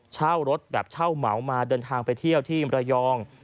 เช่ารถแบบเช่าเหมามาเดินทางไปเที่ยวที่มรยอง